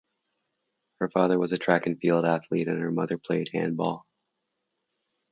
Her father was a track and field athlete, and her mother played handball.